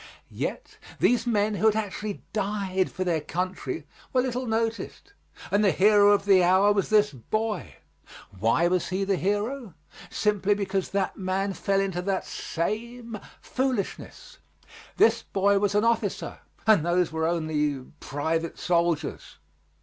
Yet these men who had actually died for their country were little noticed, and the hero of the hour was this boy. Why was he the hero? Simply because that man fell into that same foolishness. This boy was an officer, and those were only private soldiers.